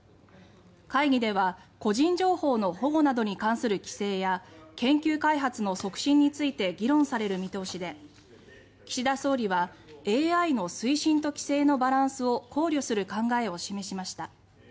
会議では、個人情報の保護などに関する規制や研究開発の促進について議論される見通しで岸田総理はＡＩの推進と規制のバランスを考慮する考えを示しました。